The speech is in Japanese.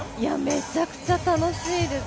めちゃくちゃ楽しいです。